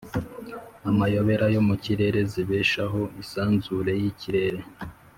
’amayobera yo mu kirere zibeshaho isanzure ry’ikirere.